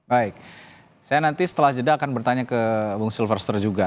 baik saya nanti setelah jeda akan bertanya ke bung silverster juga